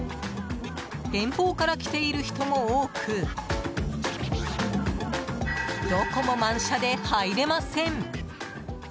遠方から来ている人も多くどこも満車で入れません。